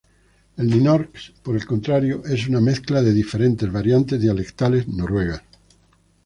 El "nynorsk", por el contrario, es una mezcla de diferentes variantes dialectales noruegas.